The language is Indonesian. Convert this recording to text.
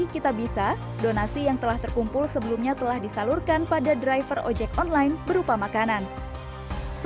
hai selamat menikmati video ini sampai jumpa di video selanjutnya